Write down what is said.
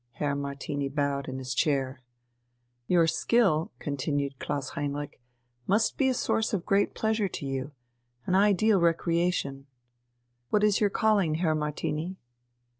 '" Herr Martini bowed in his chair. "Your skill," continued Klaus Heinrich, "must be a source of great pleasure to you an ideal recreation. What is your calling, Herr Martini?"